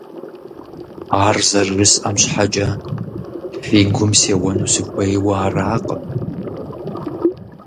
Ар зэрыжысӀэм щхьэкӀэ фи гум сеуэну сыхуейуэ аракъым…